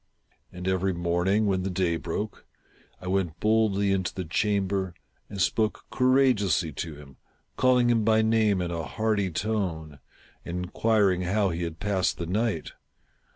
And every morning, when the^day broke, I went boldly into the chamber, and spoke courageously to him, calling him by name in a hearty tone, and inquiring how he had passed the night.